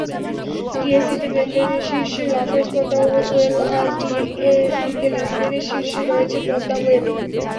ডিএসইতে লেনদেনে শীর্ষে লাফার্জ পদ্মা অয়েলআজ ডিএসইতে লেনদেনে শীর্ষে রয়েছে পদ্মা অয়েল।